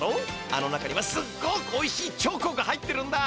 あの中にはすっごくおいしいチョコが入ってるんだ。